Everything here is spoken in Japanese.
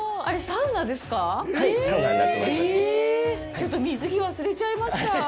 ちょっと水着、忘れちゃいました。